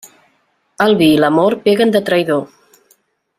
El vi i l'amor peguen de traïdor.